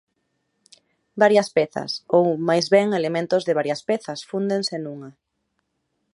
Varias pezas, ou máis ben elementos de varias pezas, fúndense nunha.